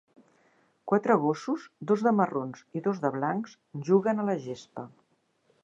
Quatre gossos, dos de marrons i dos de blancs, juguen a la gespa.